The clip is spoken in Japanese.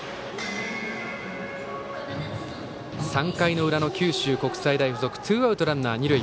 ３回の裏の九州国際大付属ツーアウトランナー、二塁。